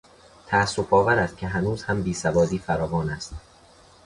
تاسفآور است که هنوز هم بیسوادی فراوان است.